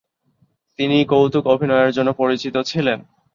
তিনি কৌতুক অভিনয়ের জন্য পরিচিত ছিলেন।